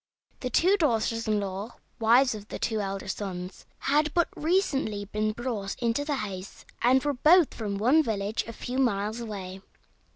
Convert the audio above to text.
The two daughters in law, wives of the two elder sons, had but recently been brought into the house, and were both from one village a few miles away.